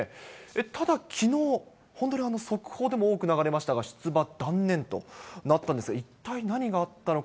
ただ、きのう、本当に速報でも多く流れましたが、出馬断念となったんですが、一体何があったのか。